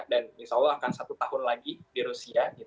insya allah akan satu tahun lagi di rusia